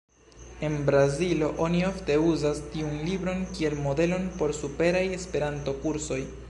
En Brazilo oni ofte uzas tiun libron kiel modelon por superaj Esperanto-kursoj.